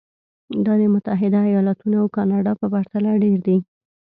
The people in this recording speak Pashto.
دا د متحده ایالتونو او کاناډا په پرتله ډېر دي.